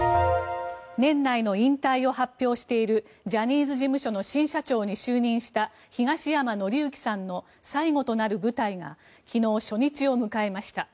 年内の引退を発表しているジャニーズ事務所の新社長に就任した東山紀之さんの最後となる舞台が昨日、初日を迎えました。